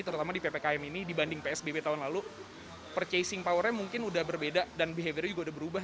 terutama di ppkm ini dibanding psbb tahun lalu purchasing powernya mungkin udah berbeda dan behaviornya juga udah berubah